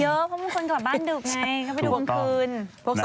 เยอะพวกมันควรกลับบ้านดูตกไงมันเป็นตอนคืน